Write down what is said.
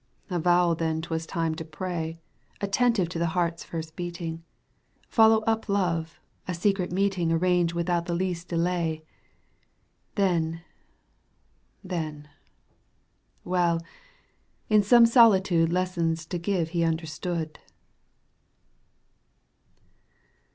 Avowal then 'twas time to pray, Attentive to the heart's first beating. Follow up love — a secret meeting Arrange without the least delay — Then, then — well, in some solitude Lessons to give he understood